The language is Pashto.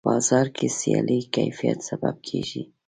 په بازار کې سیالي د کیفیت سبب کېږي.